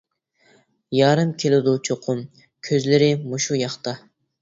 يارىم كېلىدۇ چوقۇم، كۆزلىرى مۇشۇ ياقتا.